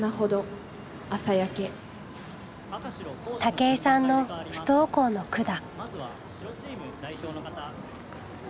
武井さんの「不登校」の句だ。